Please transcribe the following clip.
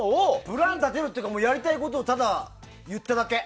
プラン立てるというかやりたいことを言っただけ。